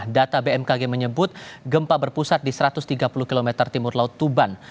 data bmkg menyebut gempa berpusat di satu ratus tiga puluh km timur laut tuban